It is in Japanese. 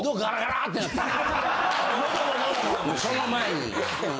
その前に。